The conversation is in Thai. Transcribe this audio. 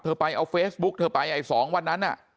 เธอไปเอาเฟซบุ๊คเธอไปไอ้สองวันนั้นอ่ะ